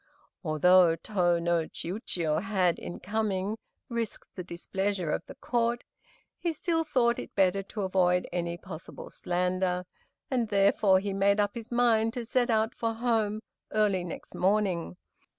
Although Tô no Chiûjiô had, in coming, risked the displeasure of the Court, he still thought it better to avoid any possible slander, and therefore he made up his mind to set out for his home early next morning.